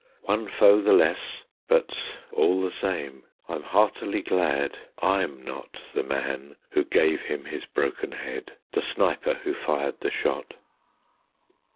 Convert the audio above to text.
One foe the less, but all the same I'm heartily glad I'm not The man who gave him his broken head, the sniper who fired the shot.